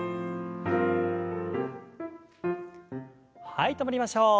はい止まりましょう。